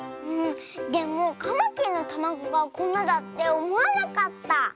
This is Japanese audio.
でもカマキリのたまごがこんなだっておもわなかった。